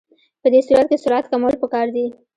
په دې صورت کې سرعت کمول پکار دي